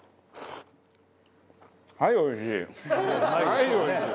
はい、おいしい。